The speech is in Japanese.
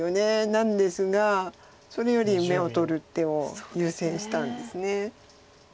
なんですがそれより眼を取る手を優先したんです。